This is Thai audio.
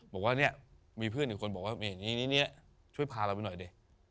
บอกว่าเนี่ยมีเพื่อนอีกคนบอกว่านี่ช่วยพาเราไปหน่อยดิ